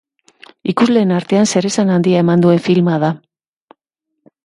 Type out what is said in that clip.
Ikusleen artean, zeresan handia eman duen filma da.